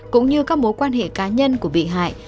cũng như các mối quan hệ cá nhân của bị hại